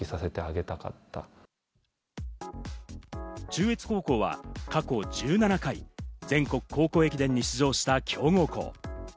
中越高校は過去１７回、全国高校駅伝に出場した強豪校。